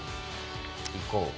行こう。